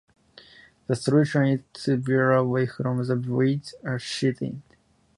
The solution is to bear away from the wind or sheet in.